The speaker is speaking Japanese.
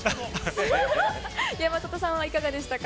山里さんはいかがでしたか。